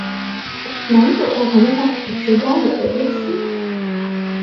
南走道墙壁上腐朽的石雕也被更新。